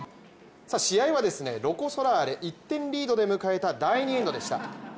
試合はですね、ロコ・ソラーレ１点リードで迎えた第２エンドでした。